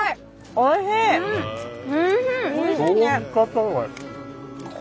おいしいね！